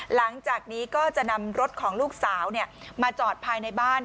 หลังจากนี้ก็จะนำรถของลูกสาวมาจอดภายในบ้าน